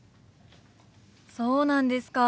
そうなんですか。